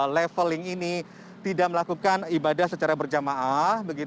leveling ini tidak melakukan ibadah secara berjamaah